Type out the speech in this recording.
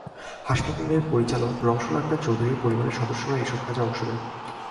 হাসপাতালের পরিচালক রওশন আক্তার চৌধুরীর পরিবারের সদস্যরা এসব কাজে অংশ নেন।